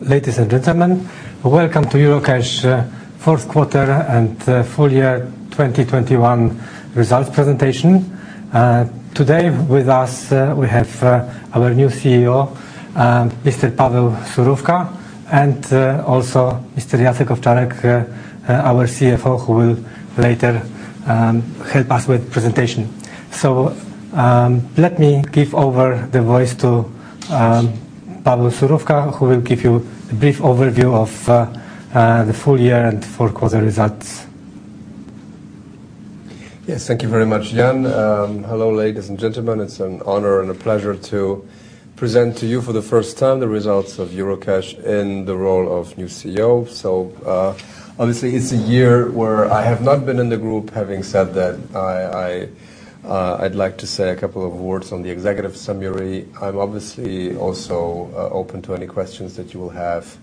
Ladies and gentlemen, welcome to Eurocash Fourth Quarter and Full Year 2021 Results Presentation. Today with us we have our new CEO, Mr. Paweł Surówka, and also Mr. Jacek Owczarek our CFO, who will later help us with presentation. Let me give over the voice to Paweł Surówka, who will give you a brief overview of the full year and fourth quarter results. Yes. Thank you very much, Jan. Hello, ladies and gentlemen. It's an honor and a pleasure to present to you for the first time the results of Eurocash in the role of new CEO. Obviously, it's a year where I have not been in the group. Having said that, I'd like to say a couple of words on the executive summary. I'm obviously also open to any questions that you will have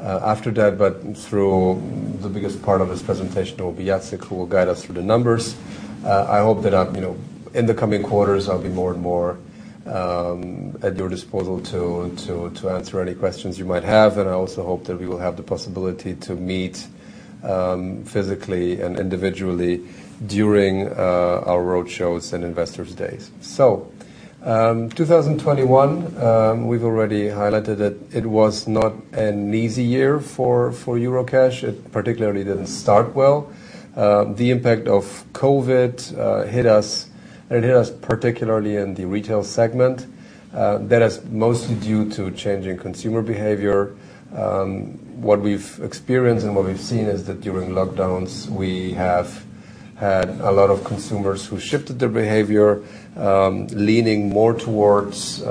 after that, but through the biggest part of this presentation, it will be Jacek who will guide us through the numbers. I hope that you know, in the coming quarters, I'll be more and more at your disposal to answer any questions you might have. I also hope that we will have the possibility to meet physically and individually during our roadshows and investor days. 2021 we've already highlighted that it was not an easy year for Eurocash. It particularly didn't start well. The impact of COVID hit us particularly in the retail segment, that is mostly due to a change in consumer behavior. What we've experienced and what we've seen is that during lockdowns, we have had a lot of consumers who shifted their behavior, leaning more towards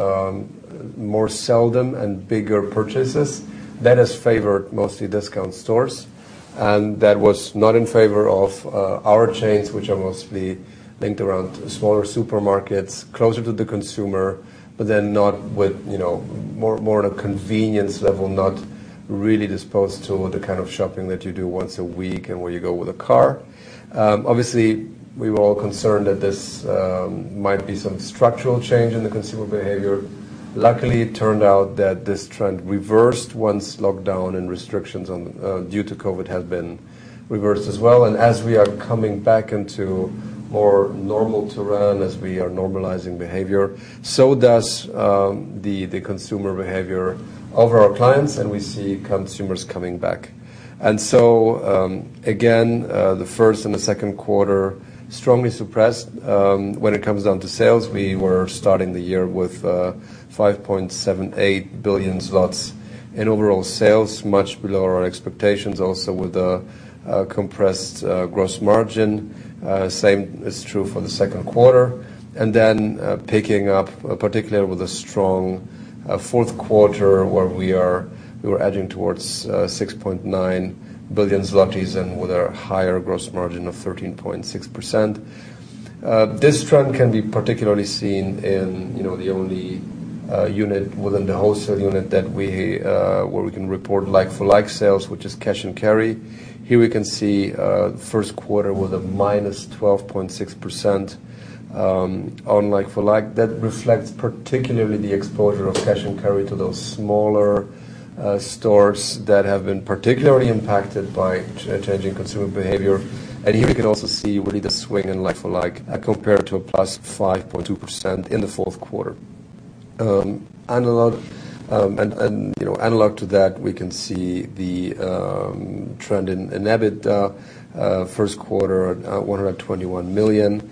more seldom and bigger purchases. That has favored mostly discount stores, and that was not in favor of our chains, which are mostly linked around smaller supermarkets, closer to the consumer, but then not with, you know, more at a convenience level, not really disposed to the kind of shopping that you do once a week and where you go with a car. Obviously, we were all concerned that this might be some structural change in the consumer behavior. Luckily, it turned out that this trend reversed once lockdown and restrictions due to COVID had been reversed as well. As we are coming back into more normal terrain, as we are normalizing behavior, so does the consumer behavior of our clients, and we see consumers coming back. Again, the first and the second quarter strongly suppressed. When it comes down to sales, we were starting the year with 5.78 billion zlotys in overall sales, much below our expectations, also with a compressed gross margin. Same is true for the second quarter. Then picking up, particularly with a strong fourth quarter, where we were edging towards 6.9 billion zlotys and with a higher gross margin of 13.6%. This trend can be particularly seen in, you know, the only unit within the wholesale unit where we can report like-for-like sales, which is cash & carry. Here we can see first quarter with a -12.6% on like-for-like. That reflects particularly the exposure of cash & carry to those smaller stores that have been particularly impacted by changing consumer behavior. Here we can also see really the swing in like-for-like compared to a +5.2% in the fourth quarter. Analog to that, you know, we can see the trend in EBITDA, first quarter, 121 million.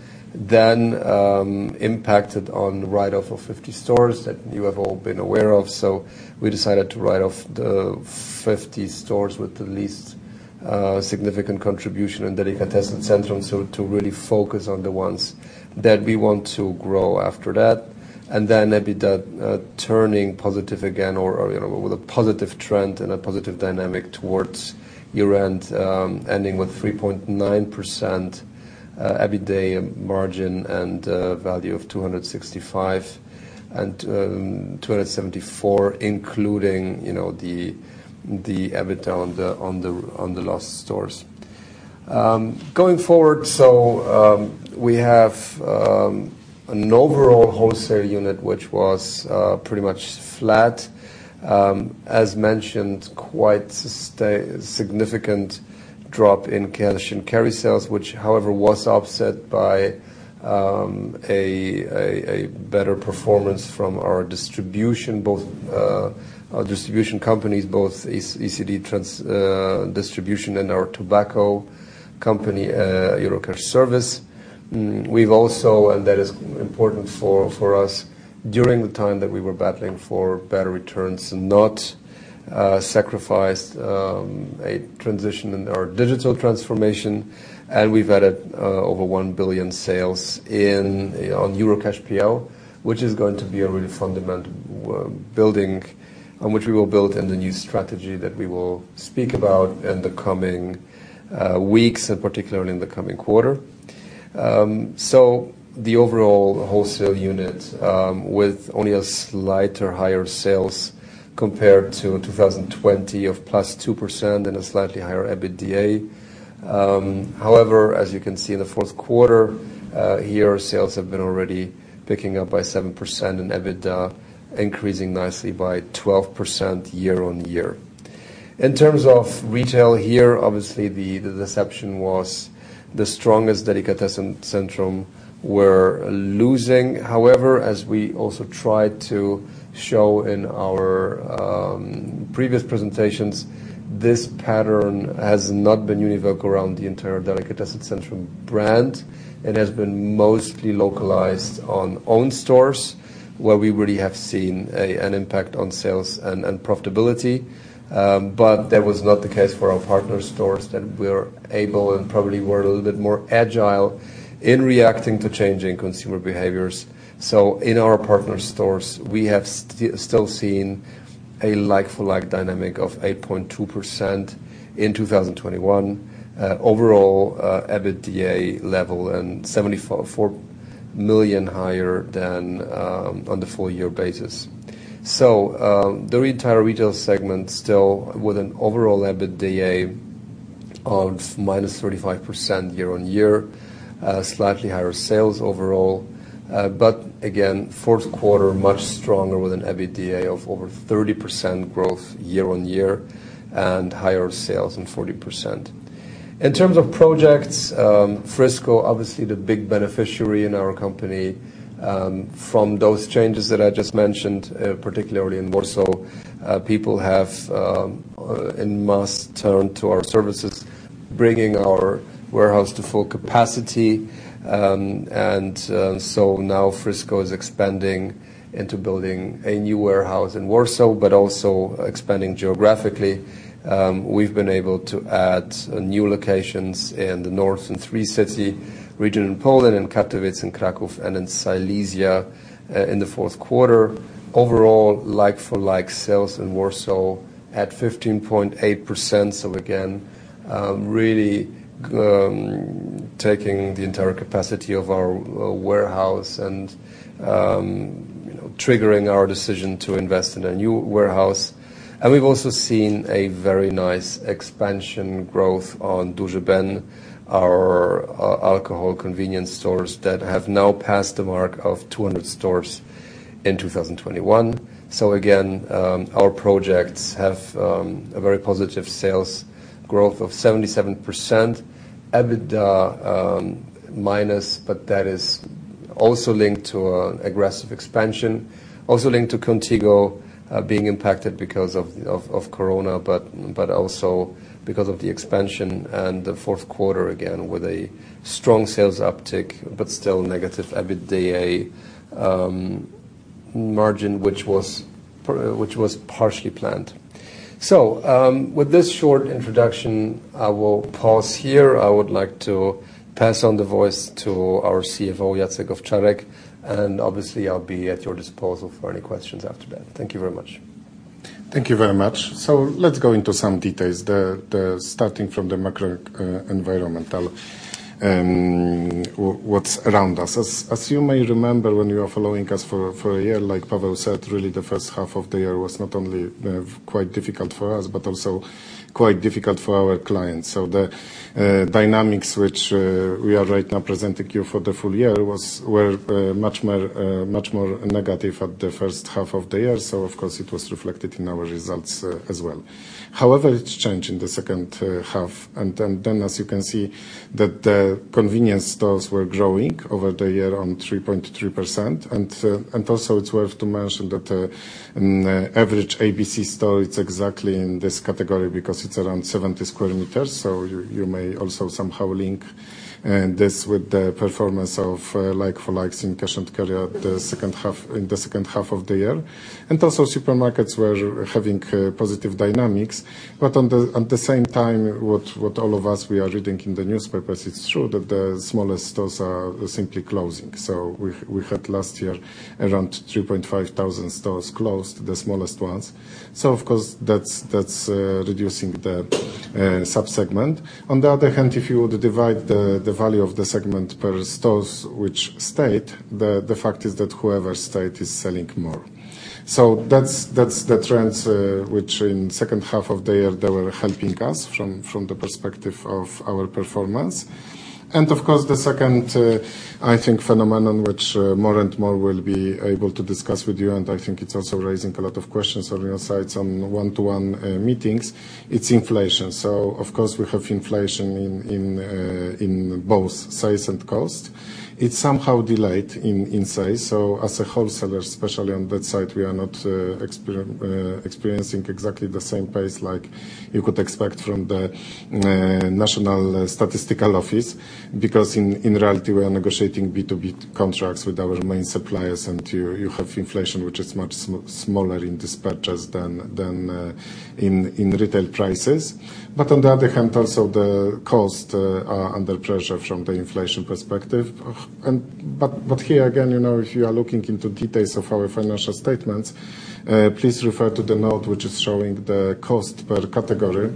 Impacted on the write-off of 50 stores that you have all been aware of. We decided to write off the 50 stores with the least significant contribution in Delikatesy Centrum, so to really focus on the ones that we want to grow after that. EBITDA turning positive again or you know with a positive trend and a positive dynamic towards year-end ending with 3.9% EBITDA margin and value of 265 and 274 including you know the EBITDA on the lost stores. Going forward we have an overall wholesale unit which was pretty much flat. As mentioned, quite significant drop in cash & carry sales, which however was offset by a better performance from our distribution, both our distribution companies, Eurocash Dystrybucja and our tobacco company, Eurocash Serwis. We've also, and that is important for us, during the time that we were battling for better returns and not sacrifice a transition in our digital transformation, and we've added over 1 billion in sales on eurocash.pl, which is going to be a really fundamental building on which we will build in the new strategy that we will speak about in the coming weeks and particularly in the coming quarter. The overall wholesale unit with only a slightly higher sales compared to 2020 of +2% and a slightly higher EBITDA. However, as you can see in the fourth quarter, here sales have been already picking up by 7% and EBITDA increasing nicely by 12% year-on-year. In terms of retail here, obviously the depletion was the strongest. Delikatesy Centrum were losing. However, as we also tried to show in our previous presentations, this pattern has not been uniform around the entire Delikatesy Centrum brand. It has been mostly localized on own stores where we really have seen an impact on sales and profitability. That was not the case for our partner stores that were able and probably were a little bit more agile in reacting to changing consumer behaviors. In our partner stores, we have still seen a like-for-like dynamic of 8.2% in 2021, overall, EBITDA level and 74 million higher than on the full year basis. The entire retail segment still with an overall EBITDA of -35% year-on-year, slightly higher sales overall. But again, fourth quarter, much stronger with an EBITDA of over 30% growth year-on-year and higher sales in 40%. In terms of projects, Frisco obviously the big beneficiary in our company from those changes that I just mentioned, particularly in Warsaw. People have en masse turned to our services, bringing our warehouse to full capacity. Now Frisco is expanding into building a new warehouse in Warsaw but also expanding geographically. We've been able to add new locations in the North, in Tricity region in Poland, in Katowice, in Kraków, and in Silesia, in the fourth quarter. Overall, like-for-like sales in Warsaw at 15.8%. Really taking the entire capacity of our warehouse and, you know, triggering our decision to invest in a new warehouse. We've also seen a very nice expansion growth on Duży Ben, our alcohol convenience stores that have now passed the mark of 200 stores in 2021. Our projects have a very positive sales growth of 77%. EBITDA minus, but that is also linked to aggressive expansion, also linked to Kontigo being impacted because of Corona, but also because of the expansion and the fourth quarter, again, with a strong sales uptick, but still negative EBITDA margin, which was partially planned. With this short introduction, I will pause here. I would like to pass on the voice to our CFO, Jacek Owczarek, and obviously I'll be at your disposal for any questions after that. Thank you very much. Thank you very much. Let's go into some details. Starting from the macro environmental what's around us. As you may remember, when you are following us for a year, like Paweł said, really the first half of the year was not only quite difficult for us but also quite difficult for our clients. The dynamics which we are right now presenting you for the full year were much more negative at the first half of the year. Of course it was reflected in our results as well. However, it's changed in the second half. Then as you can see that the convenience stores were growing over the year on 3.3%. It's worth mentioning that an average ABC store is exactly in this category because it's around 70 sq m. You may also somehow link this with the performance of like-for-likes in cash & carry in the second half of the year. Supermarkets were having positive dynamics. At the same time, what all of us are reading in the newspapers, it's true that the smallest stores are simply closing. We had last year around 2,500 stores closed, the smallest ones. Of course, that's reducing the subsegment. On the other hand, if you would divide the value of the segment per stores which stayed, the fact is that whoever stayed is selling more. That's the trends which in second half of the year they were helping us from the perspective of our performance. Of course, the second, I think phenomenon, which more and more we'll be able to discuss with you, and I think it's also raising a lot of questions on your sides on one-to-one meetings, it's inflation. Of course, we have inflation in both size and cost. It's somehow delayed in size. As a wholesaler, especially on that side, we are not experiencing exactly the same pace like you could expect from the national statistical office. Because in reality, we are negotiating B2B contracts with our main suppliers, and you have inflation, which is much smaller in dispatches than in retail prices. On the other hand, also the costs are under pressure from the inflation perspective. Here again, you know, if you are looking into details of our financial statements, please refer to the note which is showing the cost per category.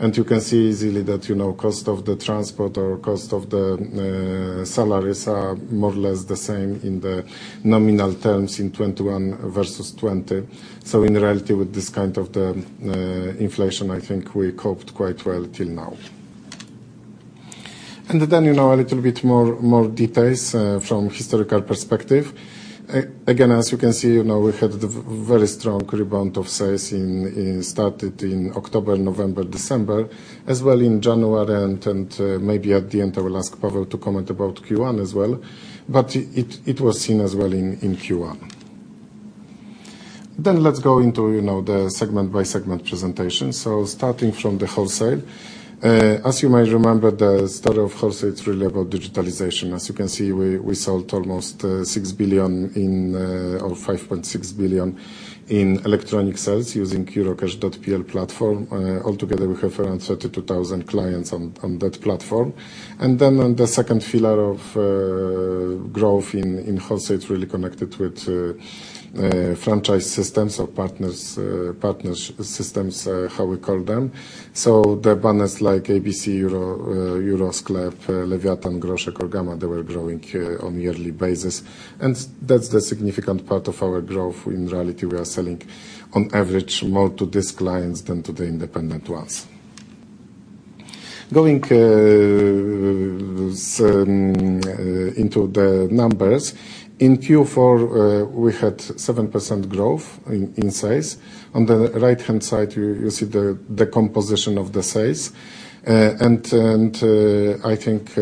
You can see easily that, you know, cost of the transport or cost of the salaries are more or less the same in the nominal terms in 2021 versus 2020. In reality, with this kind of the inflation, I think we coped quite well till now. Then, you know, a little bit more details from historical perspective. Again, as you can see, you know, we had the very strong rebound of sales which started in October, November, December, as well in January. Maybe at the end, I will ask Paweł to comment about Q1 as well, but it was seen as well in Q1. Let's go into, you know, the segment by segment presentation. Starting from the wholesale. As you may remember, the story of wholesale, it's really about digitalization. As you can see, we sold almost 6 billion or 5.6 billion in electronic sales using eurocash.pl platform. Altogether we have around 32,000 clients on that platform. On the second pillar of growth in wholesale, it's really connected with franchise systems or partners systems, how we call them. The banners like ABC, Euro Sklep, Lewiatan, Groszek or Gama, they were growing on a yearly basis, and that's the significant part of our growth. In reality, we are selling on average more to these clients than to the independent ones. Going into the numbers, in Q4, we had 7% growth in sales. On the right-hand side, you see the composition of the sales. I think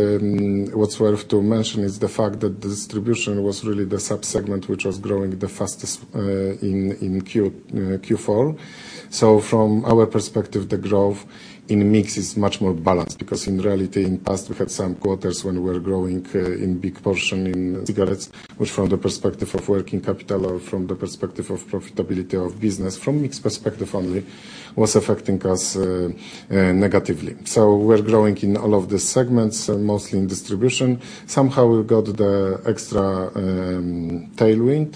what's worth to mention is the fact that the distribution was really the sub-segment which was growing the fastest in Q4. From our perspective, the growth in mix is much more balanced because in reality, in the past we had some quarters when we were growing in big portion in cigarettes, which from the perspective of working capital or from the perspective of profitability of business, from mix perspective only, was affecting us negatively. We're growing in all of these segments, mostly in distribution. Somehow we've got the extra tailwind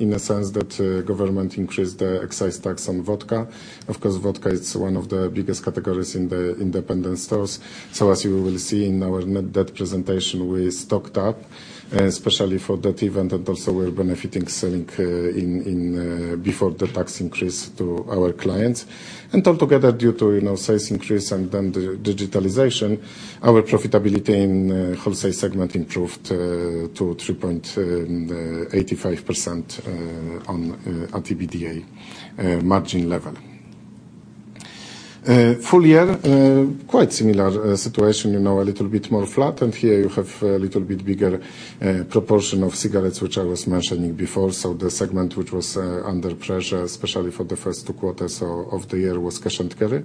in a sense that government increased the excise tax on vodka. Of course, vodka is one of the biggest categories in the independent stores. So as you will see in our net debt presentation, we stocked up especially for that event, and also we're benefiting selling in before the tax increase to our clients. Altogether, due to you know sales increase and then the digitalization, our profitability in wholesale segment improved to 3.85% on EBITDA margin level. Full year quite similar situation, you know, a little bit more flat. Here you have a little bit bigger proportion of cigarettes, which I was mentioning before. The segment which was under pressure, especially for the first two quarters of the year was cash and carry.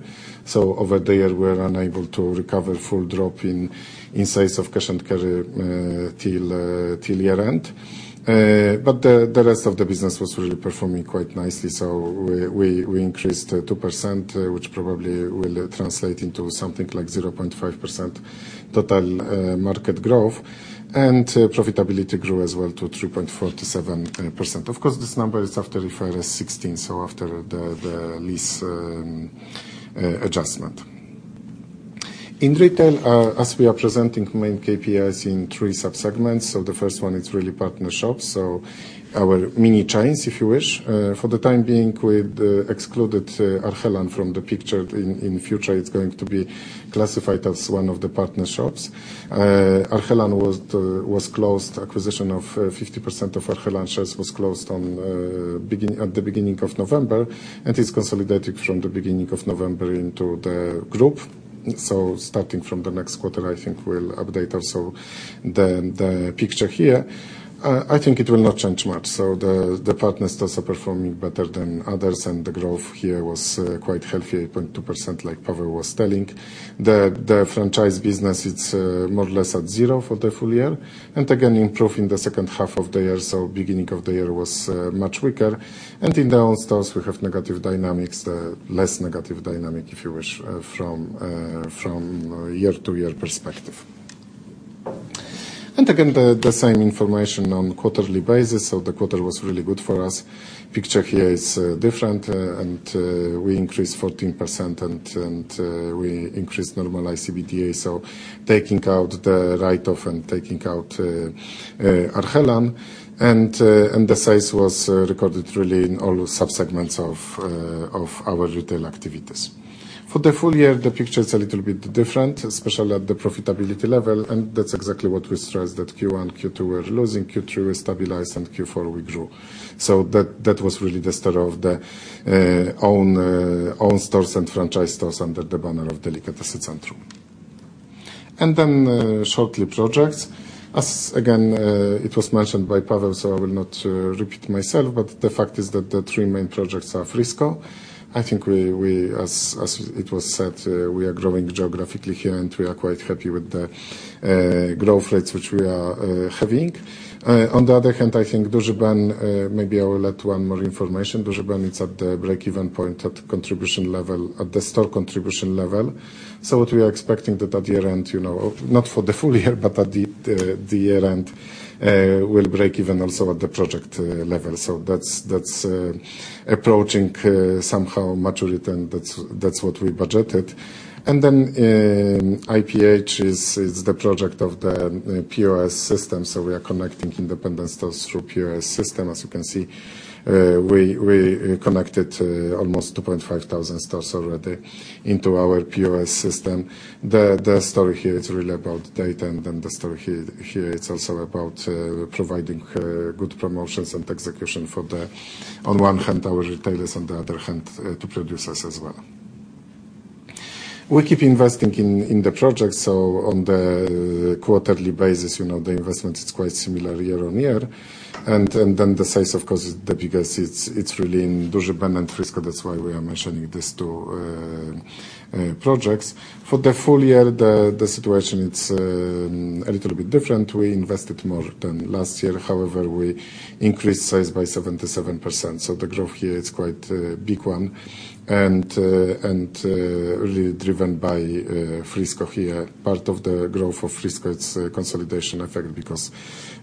Over the year, we were unable to recover full drop in sales of cash and carry till year-end. The rest of the business was really performing quite nicely, so we increased 2%, which probably will translate into something like 0.5% total market growth. Profitability grew as well to 3.47%. Of course, this number is after IFRS 16, so after the lease adjustment. In retail, as we are presenting main KPIs in three sub-segments. The first one is really partner shops, so our mini chains, if you wish. For the time being, we'd excluded Arhelan from the picture. In the future, it's going to be classified as one of the partner shops. Arhelan was closed. Acquisition of 50% of Arhelan shares was closed at the beginning of November and is consolidated from the beginning of November into the group. Starting from the next quarter, I think we'll update also the picture here. I think it will not change much. The partner stores are performing better than others, and the growth here was quite healthy, 8.2%, like Paweł was telling. The franchise business, it's more or less at zero for the full year, and again, improving the second half of the year. Beginning of the year was much weaker. In the own stores, we have negative dynamics, less negative dynamic, if you wish, from a year-over-year perspective. Again, the same information on quarterly basis. The quarter was really good for us. Picture here is different, and we increased 14% and we increased normalized EBITDA. Taking out the write-off and taking out Arhelan. The sales was recorded really in all sub-segments of our retail activities. For the full year, the picture is a little bit different, especially at the profitability level, and that's exactly what we stressed, that Q1 and Q2 were losing, Q3 we stabilized, and Q4 we grew. That was really the start of the own stores and franchise stores under the banner of Delikatesy Centrum. Shortly, projects. As again, it was mentioned by Paweł, I will not repeat myself, but the fact is that the three main projects are Frisco. I think we, as it was said, we are growing geographically here, and we are quite happy with the growth rates which we are having. On the other hand, I think Duży Ben, maybe I will add one more information. Duży Ben is at the break-even point at contribution level, at the store contribution level. What we are expecting that at the year-end, you know, not for the full year, but at the year-end, we'll break even also at the project level. That's approaching somehow maturity, and that's what we budgeted. IPH is the project of the POS system, so we are connecting independent stores through POS system. As you can see, we connected almost 2,500 stores already into our POS system. The story here is really about data, and then the story here it's also about providing good promotions and execution for, on one hand, our retailers, on the other hand, to producers as well. We keep investing in the project. On the quarterly basis, you know, the investment is quite similar year on year. Then the size, of course, the biggest it's really in Duży Ben and Frisco. That's why we are mentioning these two projects. For the full year, the situation it's a little bit different. We invested more than last year. However, we increased sales by 77%, so the growth here it's quite a big one, and really driven by Frisco here. Part of the growth of Frisco, it's a consolidation effect because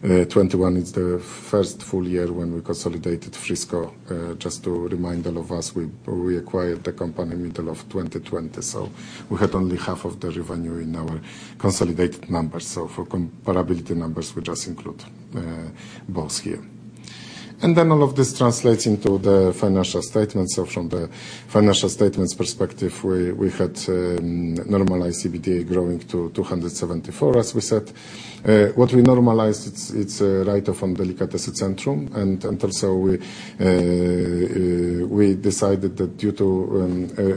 2021 is the first full year when we consolidated Frisco. Just to remind all of us, we acquired the company middle of 2020, so we had only half of the revenue in our consolidated numbers. For comparable numbers, we just include both here. All of this translates into the financial statements. From the financial statements perspective, we had normalized EBITDA growing to 274, as we said. What we normalized, it's a write-off on Delikatesy Centrum. Also we decided that due to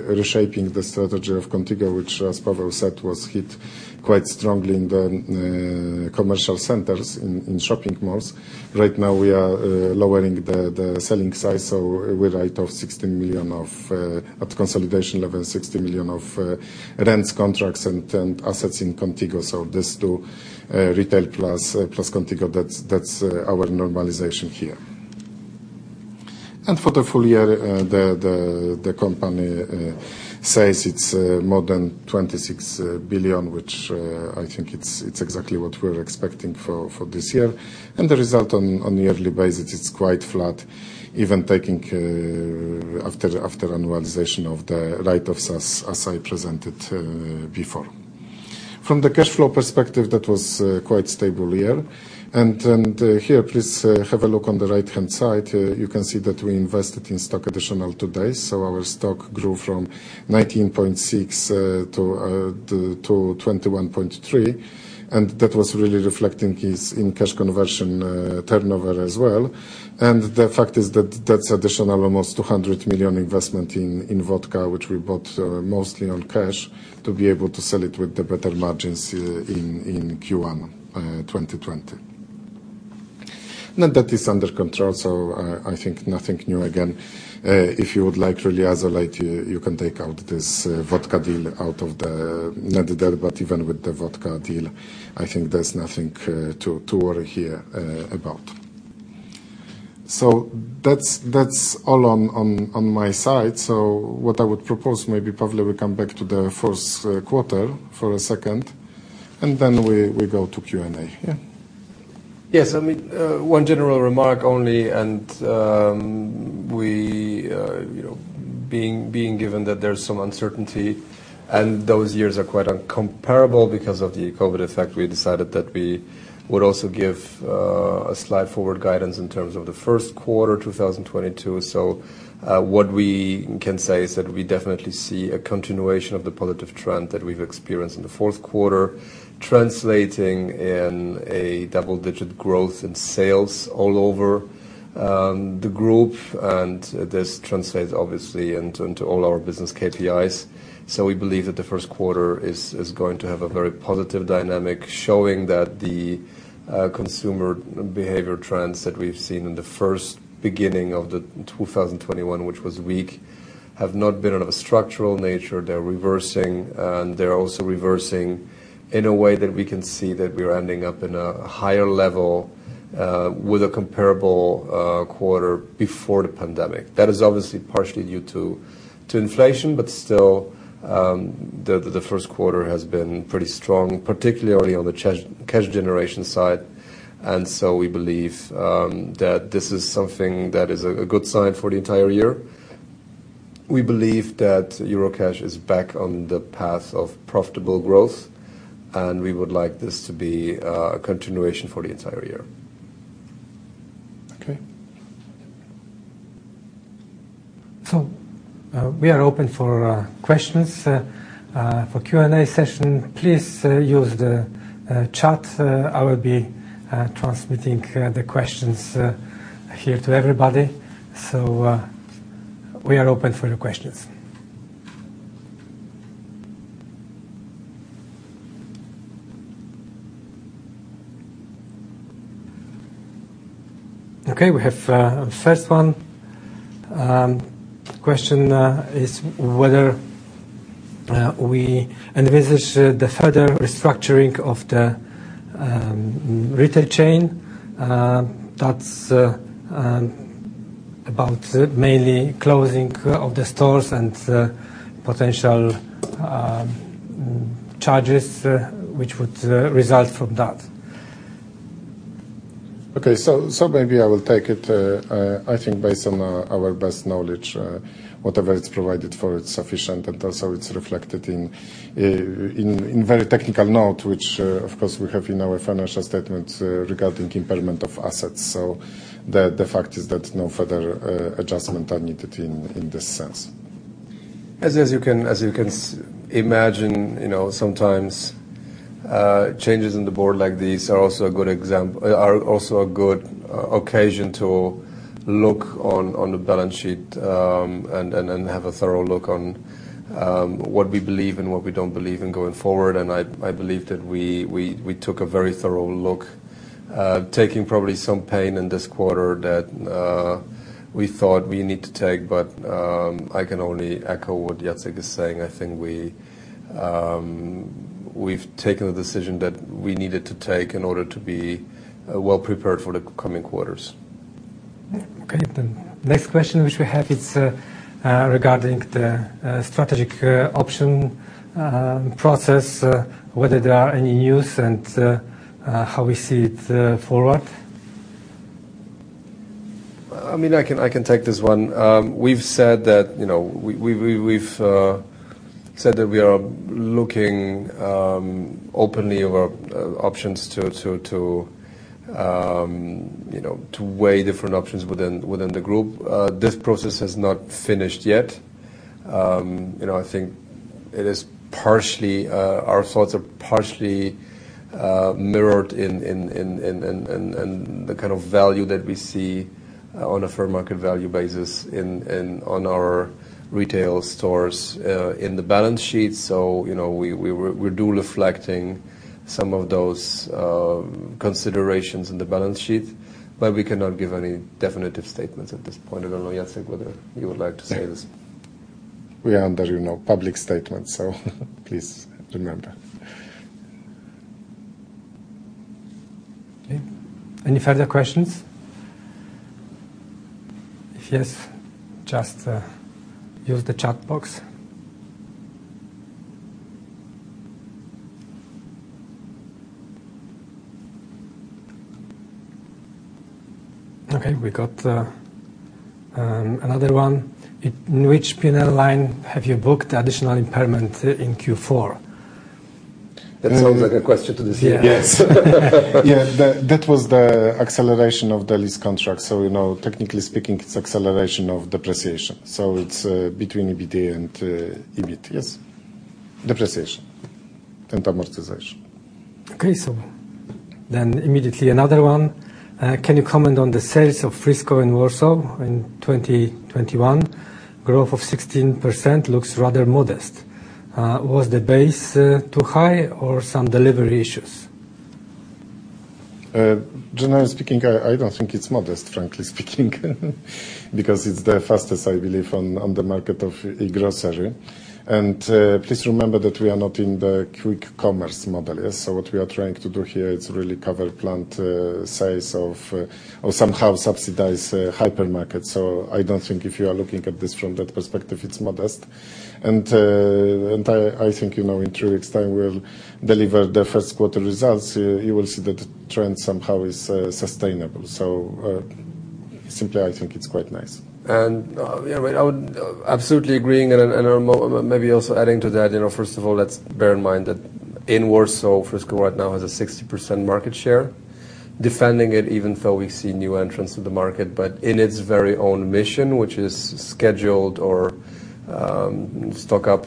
reshaping the strategy of Kontigo, which, as Paweł said, was hit quite strongly in the commercial centers in shopping malls. Right now, we are lowering the selling size, so we write off 16 million at consolidation level, 16 million of rents, contracts, and assets in Kontigo. These two retail plus Kontigo, that's our normalization here. For the full year, the company says it's more than 26 billion, which I think it's exactly what we're expecting for this year. The result on a yearly basis, it's quite flat, even after annualization of the write-offs, as I presented before. From the cash flow perspective, that was quite stable year. Here, please, have a look on the right-hand side. You can see that we invested in stock additional today, so our stock grew from 19.6 to 21.3. That was really reflecting in cash conversion, turnover as well. The fact is that that's additional almost 200 million investment in vodka, which we bought mostly on cash to be able to sell it with the better margins in Q1 2020. Now, that is under control, I think nothing new again. If you would like to really isolate, you can take out this vodka deal out of the net debt. Even with the vodka deal, I think there's nothing to worry here about. That's all on my side. What I would propose, maybe Paweł will come back to the first quarter for a second, and then we go to Q&A. Yeah. Yes. I mean, one general remark only, and we you know being given that there's some uncertainty, and those years are quite incomparable because of the COVID effect, we decided that we would also give a slight forward guidance in terms of the first quarter 2022. What we can say is that we definitely see a continuation of the positive trend that we've experienced in the fourth quarter, translating in a double-digit growth in sales all over the group. This translates obviously into all our business KPIs. We believe that the first quarter is going to have a very positive dynamic, showing that the consumer behavior trends that we've seen in the beginning of 2021, which was weak, have not been of a structural nature. They're reversing, and they're also reversing in a way that we can see that we are ending up in a higher level with a comparable quarter before the pandemic. That is obviously partially due to inflation, but still, the first quarter has been pretty strong, particularly on the cash generation side. We believe that this is something that is a good sign for the entire year. We believe that Eurocash is back on the path of profitable growth, and we would like this to be a continuation for the entire year. Okay. We are open for questions. For Q&A session, please, use the chat. I will be transmitting the questions here to everybody. We are open for your questions. Okay, we have a first one. The question is whether we envisage the further restructuring of the retail chain. That's about mainly closing of the stores and potential charges which would result from that. Okay, maybe I will take it. I think based on our best knowledge, whatever it's provided for, it's sufficient, and also it's reflected in very technical note, which, of course, we have in our financial statement regarding impairment of assets. The fact is that no further adjustment are needed in this sense. As you can imagine, you know, sometimes changes in the board like these are also a good occasion to look on the balance sheet, and then have a thorough look on what we believe and what we don't believe in going forward. I believe that we took a very thorough look, taking probably some pain in this quarter that we thought we need to take. I can only echo what Jacek is saying. I think we've taken the decision that we needed to take in order to be well prepared for the coming quarters. Okay. The next question which we have is regarding the strategic option process, whether there are any news and how we see it forward. I mean, I can take this one. We've said that, you know, we are looking openly over options to, you know, to weigh different options within the group. This process has not finished yet. You know, I think it is partially our thoughts are partially mirrored in the kind of value that we see on a fair market value basis in our retail stores in the balance sheet. You know, we're reflecting some of those considerations in the balance sheet, but we cannot give any definitive statements at this point. I don't know, Jacek, whether you would like to say this. We are under, you know, public statement, so please remember. Okay. Any further questions? If yes, just use the chat box. Okay, we got another one. In which P&L line have you booked the additional impairment in Q4? That sounds like a question to the CFO. Yes. Yeah. That was the acceleration of the lease contract. You know, technically speaking, it's acceleration of depreciation. It's between EBITDA and EBIT, yes, depreciation and amortization. Okay. Immediately another one. Can you comment on the sales of Frisco in Warsaw in 2021? Growth of 16% looks rather modest. Was the base too high or some delivery issues? Generally speaking, I don't think it's modest, frankly speaking, because it's the fastest, I believe, on the market of e-grocery. Please remember that we are not in the quick commerce model. Yeah. What we are trying to do here is really cover plan to size up or somehow subsidize hypermarket. I don't think if you are looking at this from that perspective, it's modest. I think, you know, in three weeks time, we'll deliver the first quarter results. You will see that trend somehow is sustainable. Simply, I think it's quite nice. Yeah, I mean, absolutely agreeing and maybe also adding to that. You know, first of all, let's bear in mind that in Warsaw, Frisco right now has a 60% market share, defending it even though we see new entrants to the market. In its very own mission, which is scheduled or stock up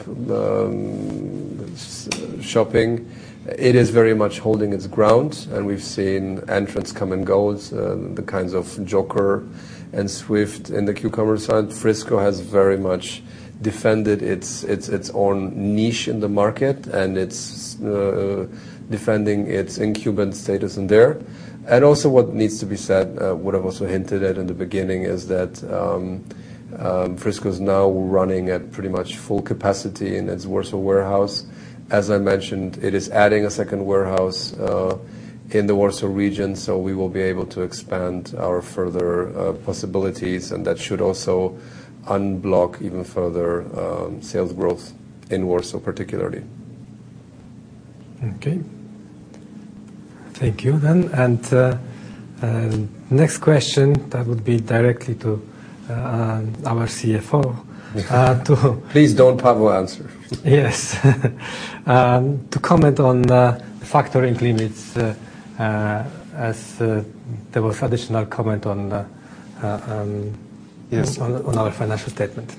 shopping, it is very much holding its ground. We've seen entrants come and go, the kinds of Jokr and Swyft in the q-commerce side. Frisco has very much defended its own niche in the market, and it's defending its incumbent status in there. Also what needs to be said, what I've also hinted at in the beginning is that Frisco is now running at pretty much full capacity in its Warsaw warehouse. As I mentioned, it is adding a second warehouse in the Warsaw region, so we will be able to expand our further possibilities, and that should also unblock even further sales growth in Warsaw, particularly. Okay. Thank you then. Next question, that would be directly to our CFO. Please don't, Paweł, answer. Yes. To comment on the factoring limits, as there was additional comment on the Yes on our financial statement.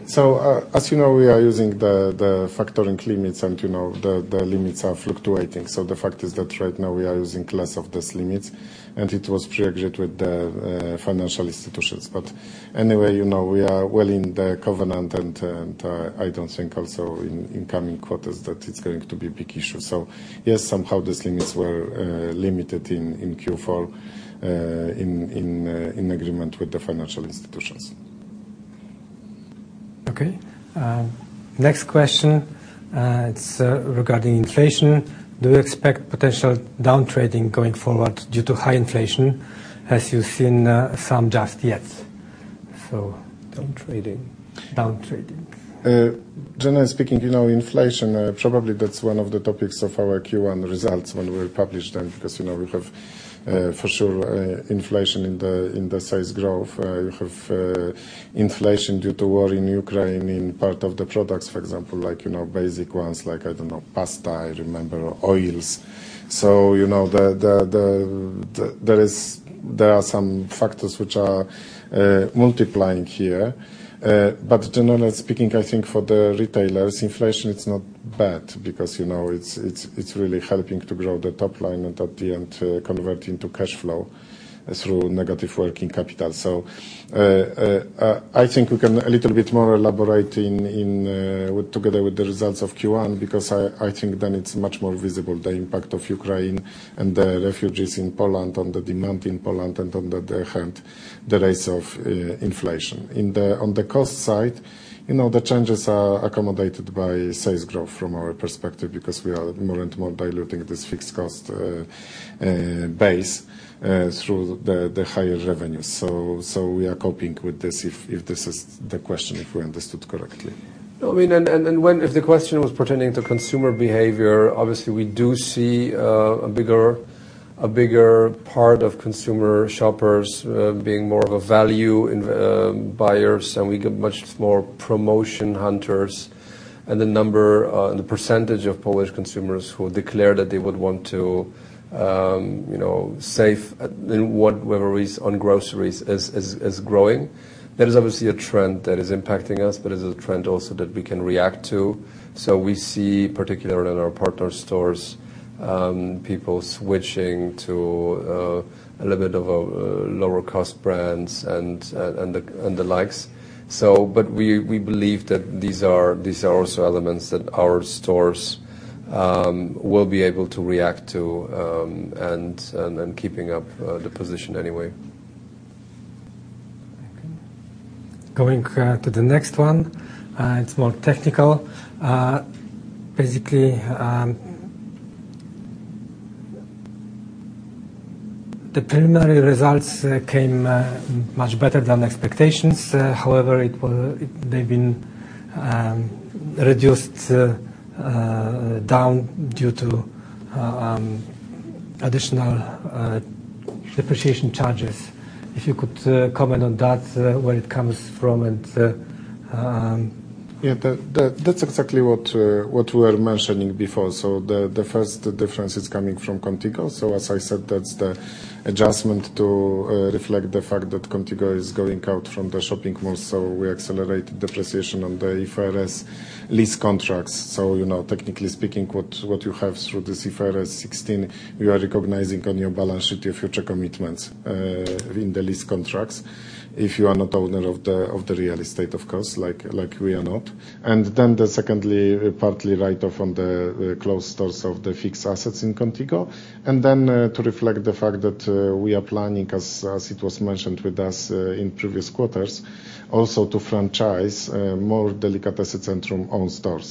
As you know, we are using the factoring limits and, you know, the limits are fluctuating. The fact is that right now we are using less of these limits and it was pre-agreed with the financial institutions. But anyway, you know, we are well within the covenant and I don't think also in coming quarters that it's going to be a big issue. Yes, somehow these limits were limited in Q4 in agreement with the financial institutions. Okay. Next question, it's regarding inflation. Do you expect potential downtrading going forward due to high inflation? Have you seen some just yet? Downtrading. Downtrading Generally speaking, you know, inflation probably that's one of the topics of our Q1 results when we'll publish them, because, you know, we have, for sure, inflation in the sales growth. You have inflation due to war in Ukraine in part of the products, for example, like, you know, basic ones like, I don't know, pasta, I remember, or oils. You know, there are some factors which are multiplying here. Generally speaking, I think for the retailers, inflation is not bad because, you know, it's really helping to grow the top line and at the end, convert into cash flow through negative working capital. I think we can elaborate a little bit more together with the results of Q1, because I think then it's much more visible, the impact of Ukraine and the refugees in Poland, on the demand in Poland and, on the other hand, the rise of inflation. On the cost side, you know, the changes are accommodated by sales growth from our perspective because we are more and more diluting this fixed cost base through the higher revenues. We are coping with this, if this is the question, if we understood correctly. No, I mean, if the question was pertaining to consumer behavior, obviously we do see a bigger part of consumer shoppers being more of a value in buyers, and we get much more promotion hunters. The number and the percentage of Polish consumers who declare that they would want to, you know, save in whatever is on groceries is growing. That is obviously a trend that is impacting us, but it is a trend also that we can react to. We see, particularly in our partner stores, people switching to a little bit of lower cost brands and the likes. We believe that these are also elements that our stores will be able to react to, and keeping up the position anyway. Going to the next one, it's more technical. Basically, the preliminary results came in much better than expectations. However, they've been written down due to additional depreciation charges. If you could comment on that, where it comes from and Yeah. That's exactly what you were mentioning before. The first difference is coming from Kontigo. As I said, that's the adjustment to reflect the fact that Kontigo is going out from the shopping mall. We accelerated depreciation on the IFRS lease contracts. You know, technically speaking, what you have through this IFRS 16, you are recognizing on your balance sheet your future commitments in the lease contracts, if you are not owner of the real estate, of course, like we are not. Then the secondly, partly write off on the closed stores of the fixed assets in Kontigo. To reflect the fact that we are planning as it was mentioned with us in previous quarters, also to franchise more Delikatesy Centrum own stores.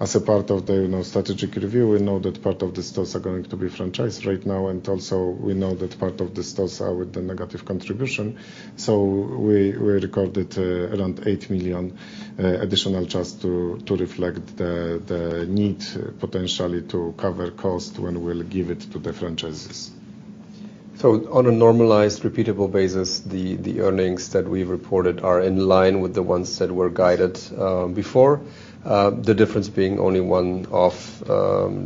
As part of the, you know, strategic review, we know that part of the stores are going to be franchised right now. We know that part of the stores are with the negative contribution. We recorded around 8 million additional just to reflect the need potentially to cover cost when we'll give it to the franchises. On a normalized repeatable basis, the earnings that we reported are in line with the ones that were guided before. The difference being only one-off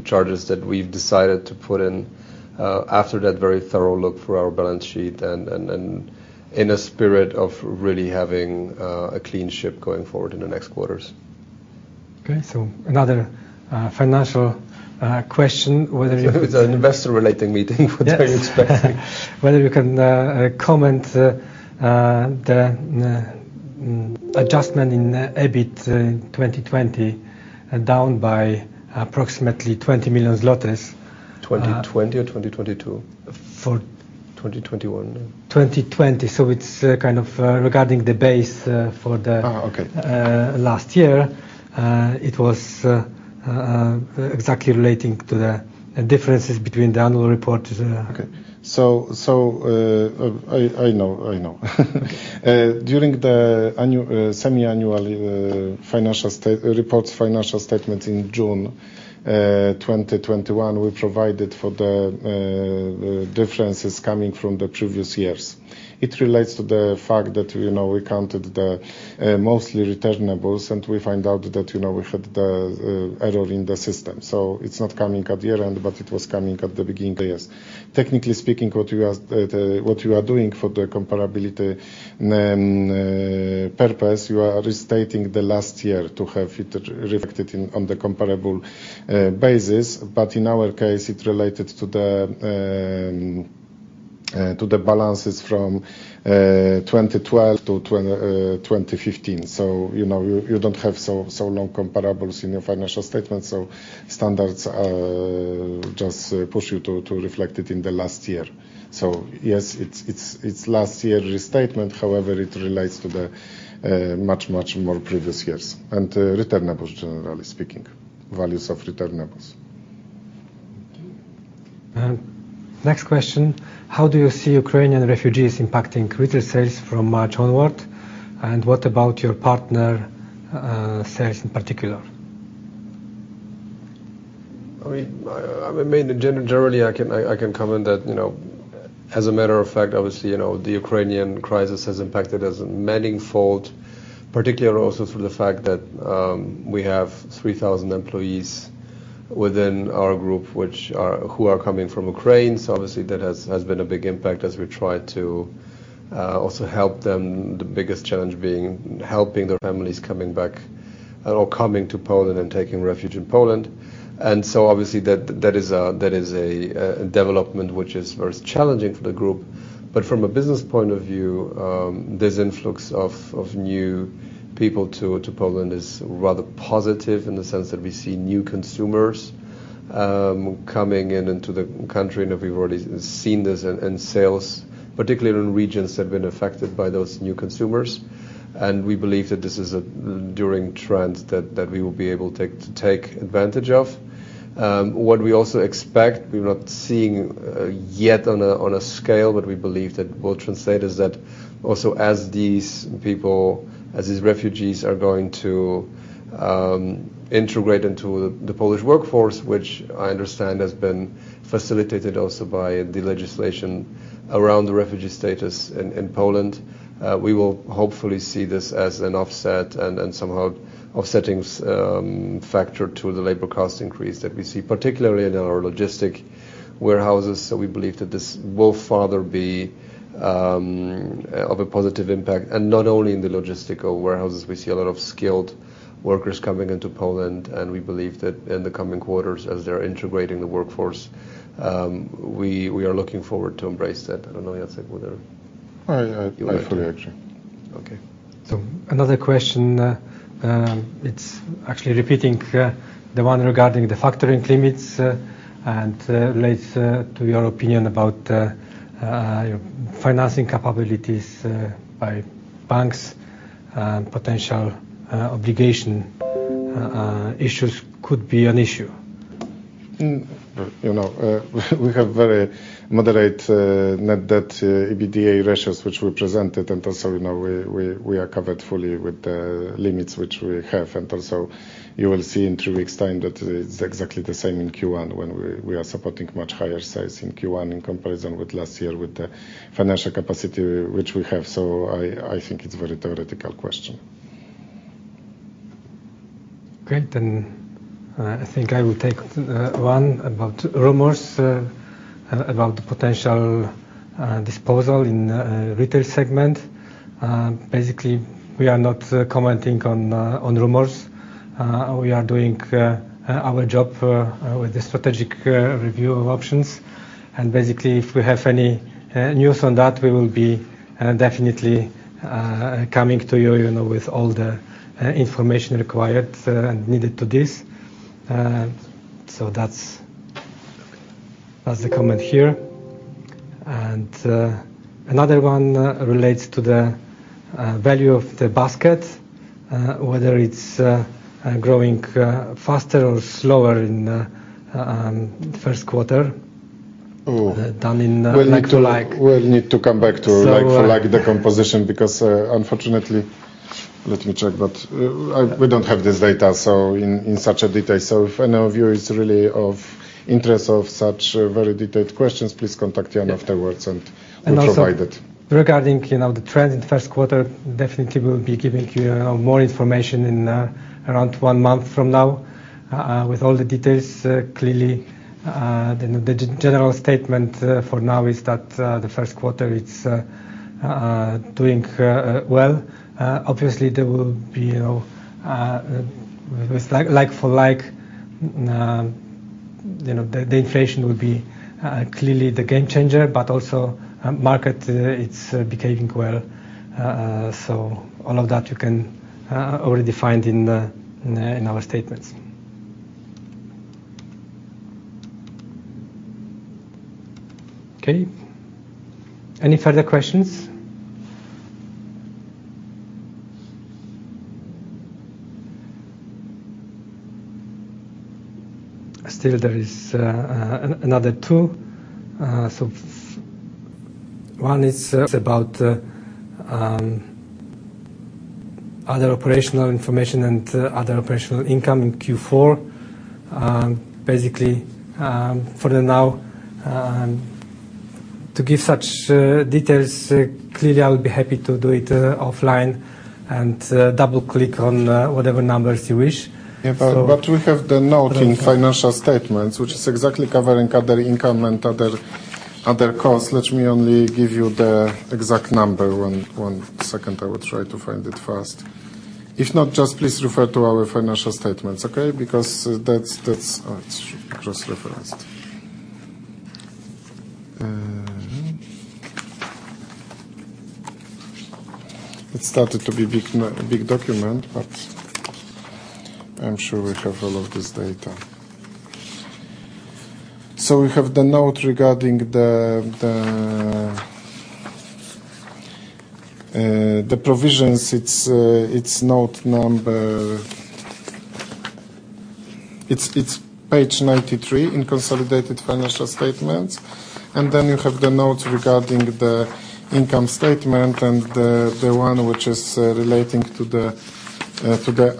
charges that we've decided to put in after that very thorough look at our balance sheet and in a spirit of really having a clean ship going forward in the next quarters. Okay. Another financial question, whether you- It's an investor relations meeting. What are you expecting? Whether you can comment on the adjustment in EBIT 2020, down by approximately 20 million zlotys? 2020 or 2022? For- 2021. 2020. It's kind of regarding the base for the- Okay.... last year. It was exactly relating to the differences between the annual report. I know. During the semi-annual financial statements in June 2021, we provided for the differences coming from the previous years. It relates to the fact that, you know, we counted the mostly returnables, and we find out that, you know, we had the error in the system. It's not coming at the end, but it was coming at the beginning years. Technically speaking, what you are doing for the comparability purpose, you are restating the last year to have it reflected, on the comparable basis. In our case, it related to the balances from 2012 to 2015. You know, you don't have so long comparables in your financial statement, so standards just push you to reflect it in the last year. Yes, it's last year restatement. However, it relates to the much more previous years and returnables, generally speaking, values of returnables. Next question, how do you see Ukrainian refugees impacting retail sales from March onward? What about your partner sales in particular? I mean, generally, I can comment that, you know, as a matter of fact, obviously, you know, the Ukrainian crisis has impacted us manifold, particularly also through the fact that we have 3,000 employees within our group, who are coming from Ukraine. Obviously, that is a development which is very challenging for the group. From a business point of view, this influx of new people to Poland is rather positive in the sense that we see new consumers coming in into the country, and we've already seen this in sales, particularly in regions that have been affected by those new consumers. We believe that this is a enduring trend that we will be able to take advantage of. What we also expect, we're not seeing yet on a scale, but we believe that will translate, is that also as these people, as these refugees are going to integrate into the Polish workforce, which I understand has been facilitated also by the legislation around the refugee status in Poland, we will hopefully see this as an offset and somehow offsetting factor to the labor cost increase that we see, particularly in our logistic warehouses. We believe that this will further be of a positive impact, and not only in the logistical warehouses. We see a lot of skilled workers coming into Poland, and we believe that in the coming quarters as they're integrating the workforce, we are looking forward to embrace that. I don't know, Jacek, whether- I fully agree. Okay. Another question, it's actually repeating the one regarding the factoring limits and relates to your opinion about financing capabilities by banks, potential obligation issues could be an issue. You know, we have very moderate net debt EBITDA ratios which we presented, and also, you know, we are covered fully with the limits which we have. You will see in three weeks time that it's exactly the same in Q1 when we are supporting much higher sales in Q1 in comparison with last year with the financial capacity which we have. I think it's very theoretical question. Great. I think I will take one about rumors about the potential disposal in retail segment. Basically, we are not commenting on rumors. We are doing our job with the strategic review of options. Basically if we have any news on that, we will be definitely coming to you know, with all the information required and needed to this. That's the comment here. Another one relates to the value of the basket, whether it's growing faster or slower in first quarter- Oh. -than in like to like. We'll need to come back to like-for-like decomposition because, unfortunately, let me check, but we don't have this data, so in such a detail. If any of you is really interested in such very detailed questions, please contact Jan afterwards and we'll provide it. Also regarding, you know, the trends in first quarter, definitely we'll be giving you more information in around one month from now with all the details. Clearly, the general statement for now is that the first quarter it's doing well. Obviously, there will be, you know, like-for-like, you know, the inflation will be clearly the game changer, but also market it's behaving well. All of that you can already find in our statements. Okay. Any further questions? Still there is another two. One is about other operational information and other operational income in Q4. Basically, for now, to give such details clearly, I'll be happy to do it offline and double-click on whatever numbers you wish. We have the note in financial statements, which is exactly covering other income and other costs. Let me only give you the exact number. One second. I will try to find it fast. If not, just please refer to our financial statements, okay? Because that's. It's just referenced. It started to be a big document, but I'm sure we have all of this data. We have the note regarding the provisions, it's note number. It's page 93 in consolidated financial statements. You have the notes regarding the income statement and the one which is relating to the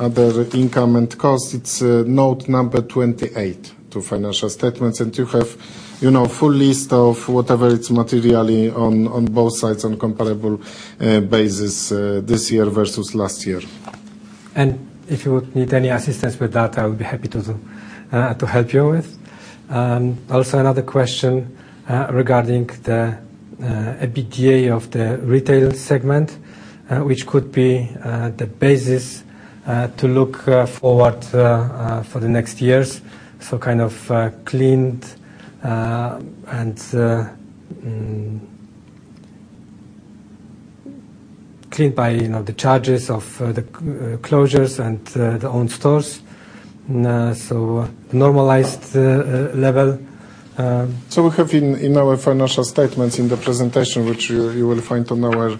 other income and costs. It's note number 28 to financial statements. You have, you know, full list of whatever it's materially on both sides on comparable basis this year versus last year. If you would need any assistance with that, I would be happy to help you with. Also another question regarding the EBITDA of the retail segment, which could be the basis to look forward for the next years. Kind of cleaned by, you know, the charges of the closures and the own stores. Normalized level. We have in our financial statements in the presentation, which you will find on our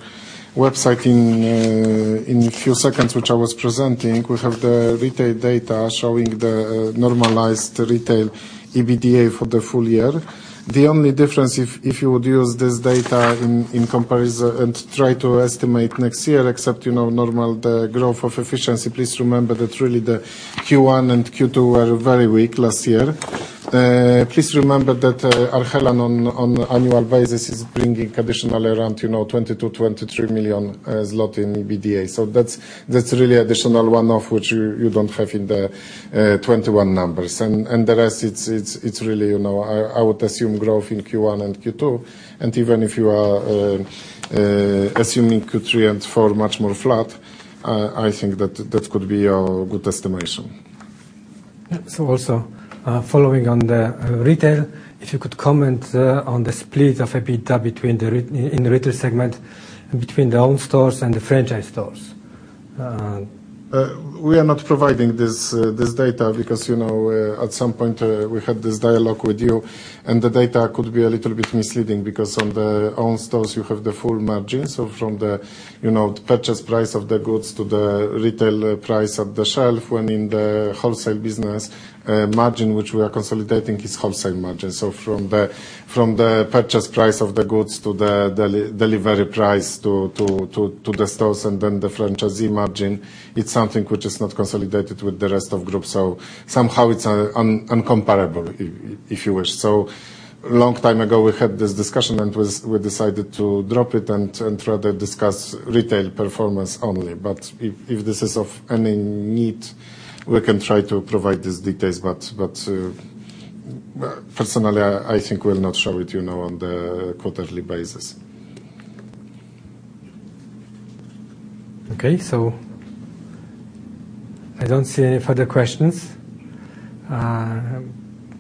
website in a few seconds which I was presenting. We have the retail data showing the normalized retail EBITDA for the full year. The only difference if you would use this data in comparison and try to estimate next year, except you know the normal growth of efficiency, please remember that really the Q1 and Q2 were very weak last year. Please remember that Arhelan on annual basis is bringing additional around, you know, 20 million-23 million zloty in EBITDA. That's really additional one of which you don't have in the 2021 numbers. The rest it's really, you know, I would assume growth in Q1 and Q2. Even if you are assuming Q3 and four much more flat, I think that could be a good estimation. Yeah. Also, following on the retail. If you could comment on the split of EBITDA in the retail segment between the own stores and the franchise stores. We are not providing this data because, you know, at some point, we had this dialogue with you, and the data could be a little bit misleading because on the own stores you have the full margin. From the, you know, purchase price of the goods to the retail price of the shelf, when in the wholesale business, margin which we are consolidating is wholesale margin. From the purchase price of the goods to the delivery price to the stores and then the franchisee margin, it's something which is not consolidated with the rest of group. Somehow it's incomparable if you wish. Long time ago we had this discussion, and we decided to drop it and rather discuss retail performance only. If this is of any need, we can try to provide these details. Personally, I think we'll not show it, you know, on the quarterly basis. Okay. I don't see any further questions.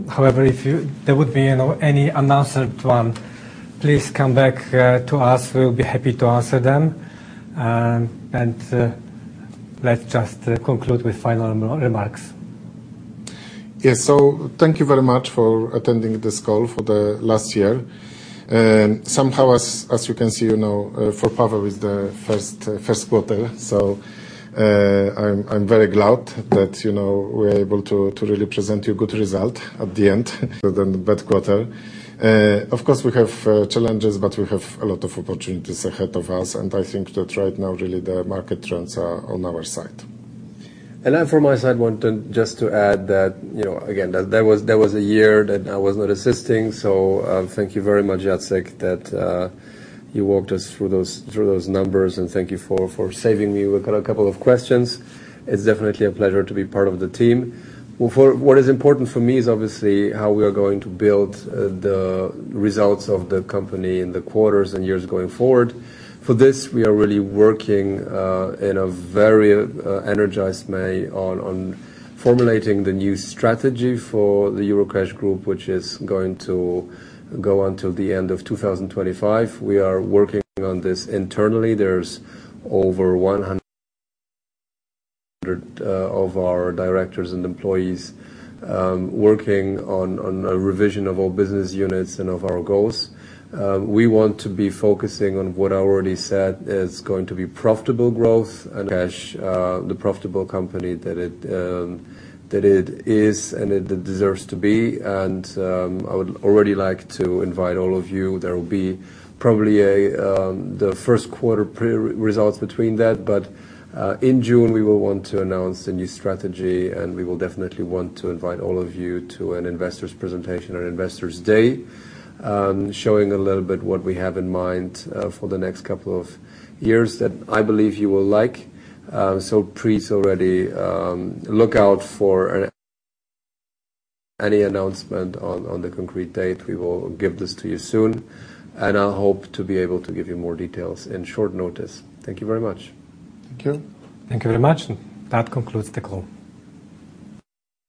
However, if there would be, you know, any unanswered one, please come back to us. We'll be happy to answer them. Let's just conclude with final remarks. Yes. Thank you very much for attending this call for the last year. Somehow as you can see, you know, for Paweł with the first quarter. I'm very glad that, you know, we're able to to really present you good result at the end within the bad quarter. Of course, we have challenges, but we have a lot of opportunities ahead of us. I think that right now really the market trends are on our side. I, from my side, want to just add that, you know, again, that there was a year that I was not assisting. Thank you very much, Jacek, that you walked us through those numbers. Thank you for saving me. We got a couple of questions. It's definitely a pleasure to be part of the team. What is important for me is obviously how we are going to build the results of the company in the quarters and years going forward. For this, we are really working in a very energized way on formulating the new strategy for the Eurocash Group, which is going to go until the end of 2025. We are working on this internally. There's over 100 of our directors and employees working on a revision of all business units and of our goals. We want to be focusing on what I already said is going to be profitable growth and cash, the profitable company that it is and it deserves to be. I would already like to invite all of you. There will be probably a the first quarter pre-results between that. In June we will want to announce a new strategy, and we will definitely want to invite all of you to an investor's presentation or investor's day, showing a little bit what we have in mind for the next couple of years that I believe you will like. Please already look out for any announcement on the concrete date. We will give this to you soon, and I hope to be able to give you more details in short notice. Thank you very much. Thank you. Thank you very much. That concludes the call.